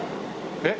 えっ？